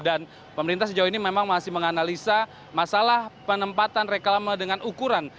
dan pemerintah sejauh ini memang masih menganalisa masalah penempatan reklame dengan ukuran